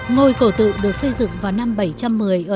ngôi cổ tự được xây dựng vào năm bảy trăm một mươi ở